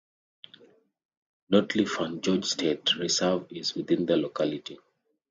Notley Fern Gorge State Reserve is within the locality.